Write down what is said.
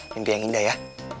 mimpi yang indah ya